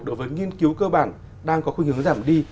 đối với nghiên cứu cơ bản đang có khuyên hướng giảm đi